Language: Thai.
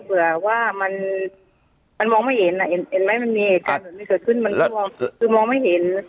เผื่อว่ามันมองไม่เห็นมันมีเหตุผลไม่เกิดขึ้นมันมองไม่เห็น